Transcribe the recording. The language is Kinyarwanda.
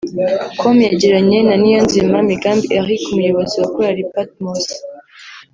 com yagiranye na Niyonzima Migambi Eric umuyobozi wa korali Patmos